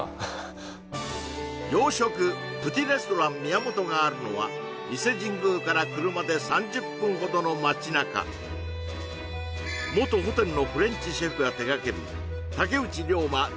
プティレストラン宮本があるのは伊勢神宮から車で３０分ほどの街なか元ホテルのフレンチシェフが手がける竹内涼真